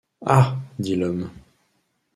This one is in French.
Ah ! dit l’homme.